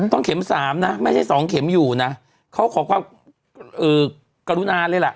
ต้องเข็มสามนะไม่ใช่สองเข็มอยู่นะเขาขอความกรุณาเลยแหละ